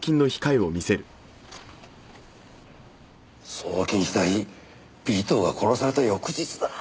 送金した日尾藤が殺された翌日だ。